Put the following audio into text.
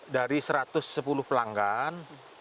dari satu ratus sepuluh pelanggan